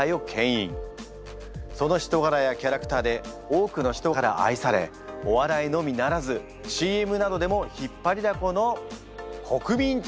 その人柄やキャラクターで多くの人から愛されお笑いのみならずＣＭなどでも引っ張りだこの国民的